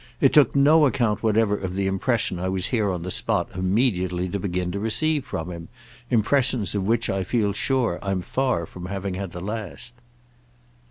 It took no account whatever of the impression I was here on the spot immediately to begin to receive from him—impressions of which I feel sure I'm far from having had the last."